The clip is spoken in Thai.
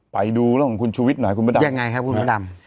ไปดูของคุณชุวิตหน่อยคุณประดับยังไงครับคุณประดับ